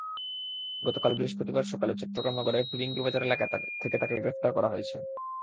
গতকাল বৃহস্পতিবার সকালে চট্টগ্রাম নগরের ফিরিঙ্গিবাজার এলাকা থেকে তাঁকে গ্রেপ্তার করা হয়েছে।